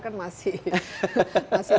akhirnya saya berfikir selama